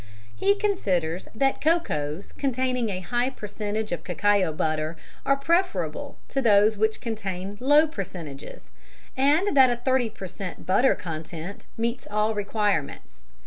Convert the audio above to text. He considers that cocoas containing a high percentage of cacao butter are preferable to those which contain low percentages, and that a 30 per cent. butter content meets all requirements.